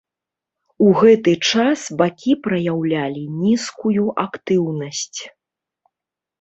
У гэты час бакі праяўлялі нізкую актыўнасць.